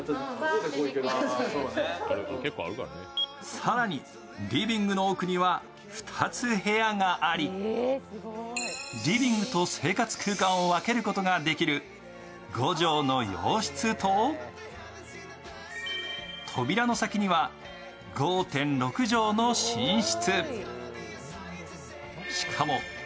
更にリビングの奥には２つ部屋がありリビングと生活空間を分けることができる５畳の洋室と扉の先には５．６畳の寝室。